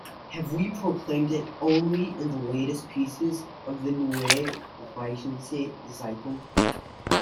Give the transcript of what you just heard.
Have we proclaimed it only in the 'latest pieces' of the Neue Rheinische Zeitung?